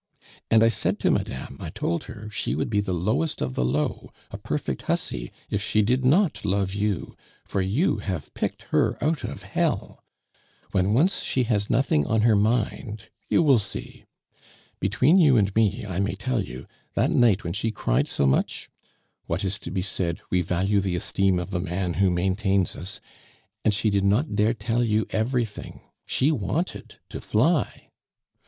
And I said to madame, I told her she would be the lowest of the low, a perfect hussy, if she did not love you, for you have picked her out of hell. When once she has nothing on her mind, you will see. Between you and me, I may tell you, that night when she cried so much What is to be said, we value the esteem of the man who maintains us and she did not dare tell you everything. She wanted to fly."